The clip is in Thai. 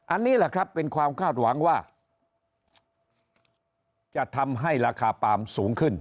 อันนี้แหละครับเป็นความคาดหวังว่าจะทำให้ราคาปาล์มสูงขึ้น